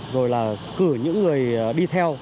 rồi là cử những người đi theo